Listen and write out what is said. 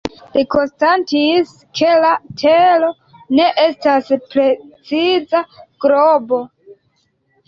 Li konstatis, ke la Tero ne estas preciza globo.